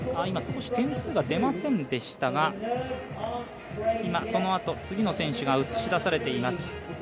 今少し点数が出ませんでしたが今、そのあと次の選手が映し出されています。